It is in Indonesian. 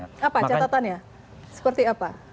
apa catatannya seperti apa